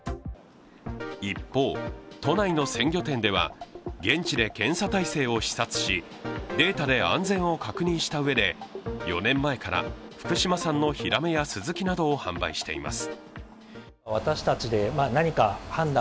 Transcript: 一方、都内の鮮魚店では現地で検査体制を視察し、データで安全を確認したうえで４年前から福島産のヒラメやスズキなどを販売しています。